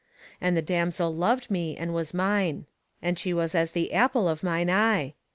And the damsel loved me, and was mine. And she was as the apple of mine eye.